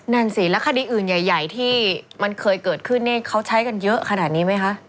นั่นสิแล้วคดีอื่นใหญ่ที่มันเคยเกิดขึ้นนี่เขาใช้กันเยอะขนาดนี้ไหมคะ